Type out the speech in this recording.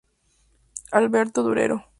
Alberto Durero.